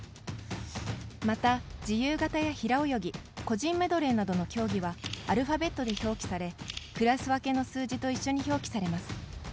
また、自由形や平泳ぎ個人メドレーなどの競技はアルファベットで表記されクラス分けの数字と一緒に表記されます。